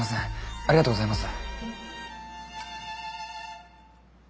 ありがとうございます。